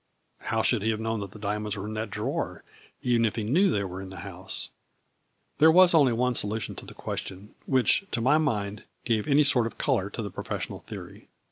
How should he have known that the diamonds were in that drawer, even if he knew they were in the house ? There was only one solution to the question, which, to my mind, gave any sort of color to the professional theory.